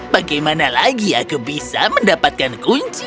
bagaimana lagi aku bisa mendapatkan kunci emas itu